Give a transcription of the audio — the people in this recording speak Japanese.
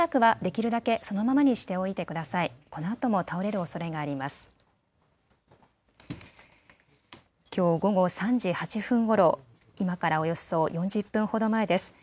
きょう午後３時８分ごろ、今からおよそ４０分ほど前です。